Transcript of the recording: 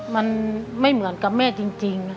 มันไม่เหมือนกับแม่จริงนะ